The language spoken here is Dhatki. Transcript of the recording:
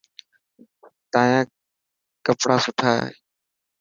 تايان ڪيڙا سٺا هي.